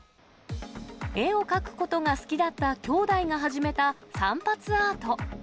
絵を描くことが好きだった兄弟が始めた散髪アート。